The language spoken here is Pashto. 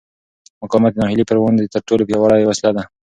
مقاومت د ناهیلۍ پر وړاندې تر ټولو پیاوړې وسله ده.